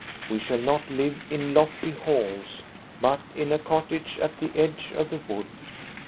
We shall not live in lofty halls, but in a cottage at the edge of the wood.